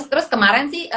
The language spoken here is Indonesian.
terus kemarin sih